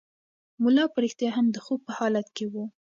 ملا په رښتیا هم د خوب په حالت کې و.